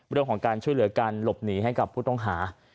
เรื่องของการช่วยเหลือการหลบหนีให้กับผู้ต้องหา